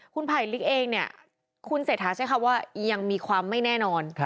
คุณไผลลิกเองเนี่ยคุณเศรษฐาใช้คำว่ายังมีความไม่แน่นอน